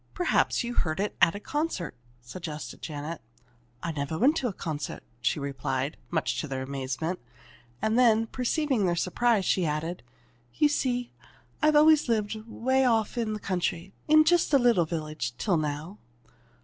"Perhaps you heard it at a concert," suggested Janet. "I never went to a concert," she replied, much to their amazement. And then, perceiving their surprise, she added: "You see, I've always lived 'way off in the country, in just a little village till now."